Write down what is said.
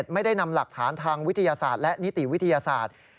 ไม่ได้นำหลักฐานทางวิทยาศาสตร์และนิติวิทยาศาสตร์